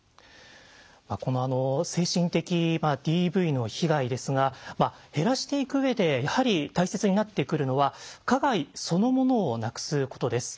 この精神的ＤＶの被害ですが減らしていく上でやはり大切になってくるのは加害そのものをなくすことです。